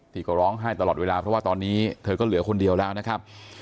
ที่ก็ร้องไห้ตลอดเวลาเพราะว่าตอนนี้เธอก็เหลือคนเดียวแล้วนะครับ